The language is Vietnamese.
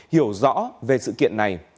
hiểu rõ về sự kiện này